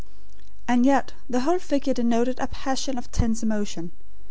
And yet the whole figure denoted a passion of tense emotion.